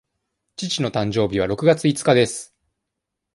父の誕生日は六月五日です。